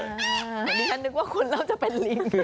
เหมือนดิฉันนึกว่าคุณเริ่มจะเป็นลิง